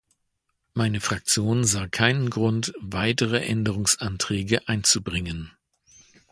Meine Fraktion sah keinen Grund, weitere Änderungsanträge einzubringen.